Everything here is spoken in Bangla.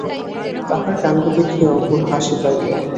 তাহার কাণ্ড দেখিয়া অপুর হাসি পাইল।